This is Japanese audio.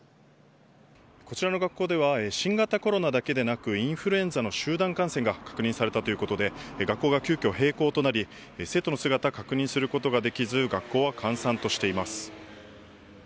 こちらの学校では新型コロナだけでなくインフルエンザの集団感染が確認されたということで学校が急きょ閉校となり生徒の姿を確認できず学校は閑散としています。